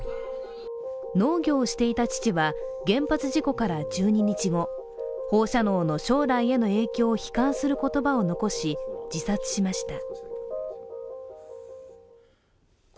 農業をしていた父は原発事故から１２日後、放射能の将来への影響を悲観する言葉を残し、自殺しました。